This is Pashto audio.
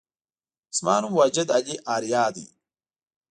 زما نوم واجد علي آریا دی